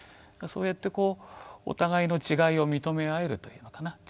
そうやってこうお互いの違いを認め合えるというのかな。